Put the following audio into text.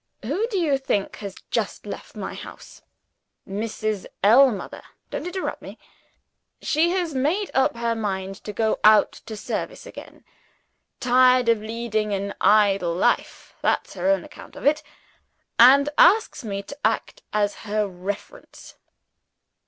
Who do you think has just left my house? Mrs. Ellmother! Don't interrupt me. She has made up her mind to go out to service again. Tired of leading an idle life that's her own account of it and asks me to act as her reference."